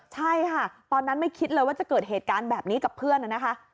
ใช่ค่ะตอนนั้นไม่คิดเลยว่าจะเกิดเหตุการณ์แบบนี้กับเพื่อนนะคะ